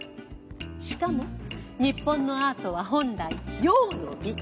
しかも日本のアートは本来用の美。